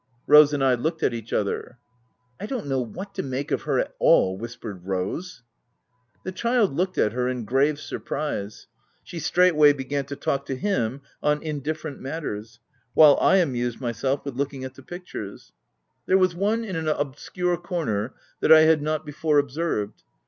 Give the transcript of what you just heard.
Rose and I looked at each other. u I don't know what to make of her, at all," whispered Rose. The child look at her in grave surprise. She straightway began to talk to him on indifferent OF WILDFELL HALL. 89 matters, while I amused myself with looking at the pictures. There was 'one in an obscure corner that I had not before observed.